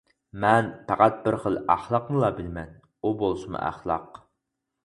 مەن پەقەت بىر خىل ئەخلاقنىلا بىلىمەن، ئۇ بولسىمۇ ئەخلاق.